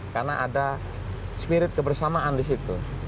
karena ada spirit kebersamaan di situ